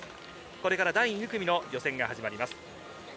これから第２組の予選が行われます。